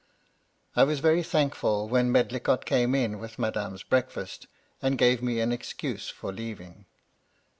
" I was very thankful when Medlicott came in with Madame's breakfast, and gave me an excuse for leaving.